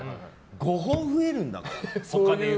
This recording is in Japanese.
５本増えるんだから。